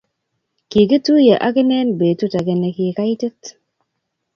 kikktuye aki inne betut age ne ki kaitit.